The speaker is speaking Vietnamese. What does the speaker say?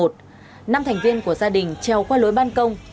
năm thành viên của gia đình treo qua lối ban đường